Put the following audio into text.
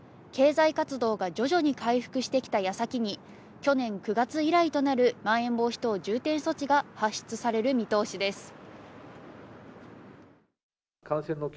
経済活動が徐々に回復してきた矢先に去年９月以来となる、まん延防止等重点措置が発出される見通しです。